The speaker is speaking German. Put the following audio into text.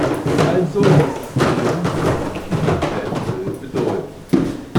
Ein solches Agieren würde eine Menge Badwill bedeuten.